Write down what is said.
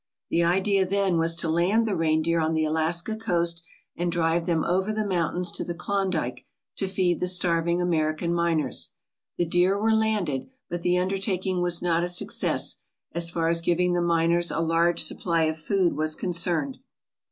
The idea then was to land the rein deer on the Alaska coast and drive them over the moun tains to the Klondike to feed the starving American miners. The deer were landed, but the undertaking was not a success, as far as giving the miners a large supply of food was concerned.